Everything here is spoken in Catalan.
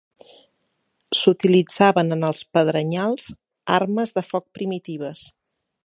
S'utilitzaven en els pedrenyals, armes de foc primitives.